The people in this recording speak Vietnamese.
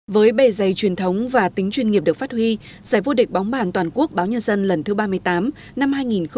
với bề dày truyền thống và tính chuyên nghiệp được phát huy giải vô địch bóng bàn toàn quốc báo nhân dân lần thứ ba mươi tám năm hai nghìn một mươi chín